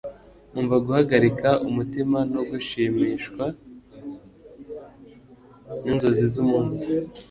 Umva Guhagarika umutima no gushimishwa ninzozi-zumunsi